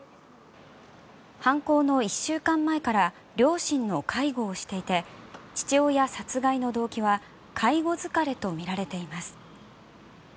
犯行の１週間前から両親の介護をしていて父親殺害の動機は介護疲れとみられています。